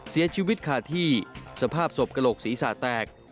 เสียชีวิตขาดที่สภาพศพกระโหลกศีรษะแตก